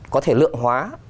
có thể lượng hóa